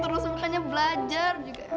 terus makanya belajar juga